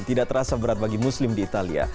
tidak terasa berat bagi muslim di italia